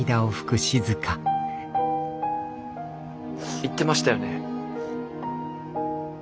言ってましたよね。